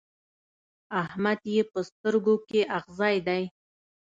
احمد يې په سترګو کې اغزی دی.